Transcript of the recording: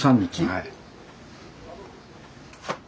はい。